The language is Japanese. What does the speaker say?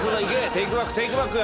テークバックテークバック！